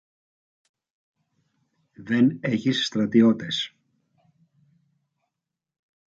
Δεν έχεις στρατιώτες.